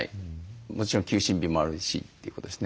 もちろん休診日もあるしということですね。